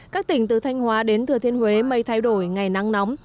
các tỉnh từ thanh hóa đến thừa thiên huế mây thay đổi ngày nắng nóng